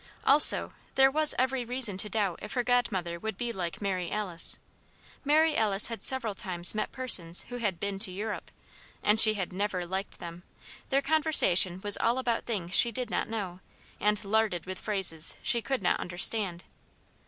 Also, there was every reason to doubt if her godmother would like Mary Alice. Mary Alice had several times met persons who had "been to Europe," and she had never liked them; their conversation was all about things she did not know, and larded with phrases she could not understand.